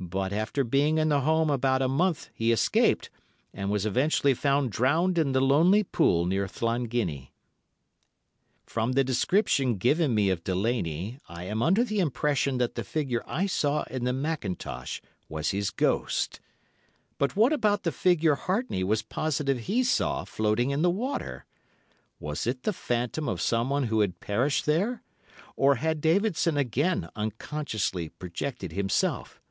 But after being in the home about a month he escaped, and was eventually found drowned in the lonely pool near Llanginney. "From the description given me of Delaney, I am under the impression that the figure I saw in the mackintosh was his ghost. But what about the figure Hartney was positive he saw floating in the water? Was it the phantom of someone who had perished there, or had Davidson again unconsciously projected himself?